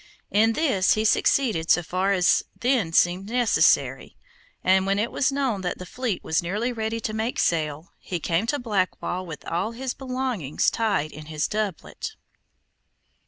In this he succeeded so far as then seemed necessary, and when it was known that the fleet was nearly ready to make sail, he came to Blackwall with all his belongings tied in his doublet.